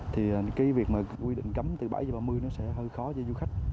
thì cái việc mà quy định cấm từ bảy h ba mươi nó sẽ hơi khó cho du khách